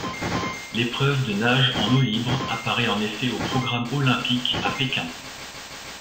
L'épreuve de nage en eau libre apparaît en effet au programme olympique à Pékin.